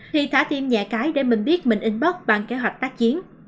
thì thả tim nhẹ cái để mình biết mình inbox bằng kế hoạch tác chiến